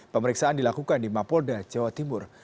pemeriksaan dilakukan di mapolda jawa timur